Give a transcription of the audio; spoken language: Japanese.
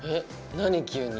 何急に。